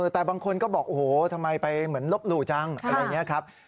แต่บางคนก็บอกโอ้โหทำไมไปเหมือนลบหลู่จังอะไรอย่างนี้ครับ